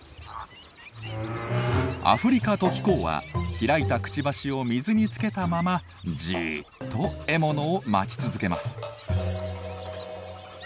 アフリカトキコウは開いたくちばしを水につけたままじっと獲物を待ち続けます。